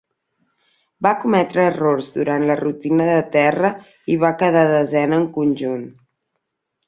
Va cometre errors durant la rutina de terra i va quedar desena en conjunt.